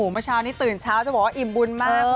เมื่อเช้านี้ตื่นเช้าจะบอกว่าอิ่มบุญมาก